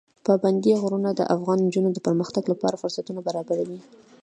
پابندی غرونه د افغان نجونو د پرمختګ لپاره فرصتونه برابروي.